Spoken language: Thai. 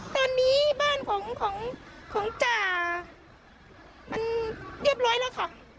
ตอนนี้บ้านของจ่ามันเรียบร้อยแล้วค่ะ